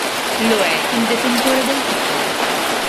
Lo è il detentore del titolo.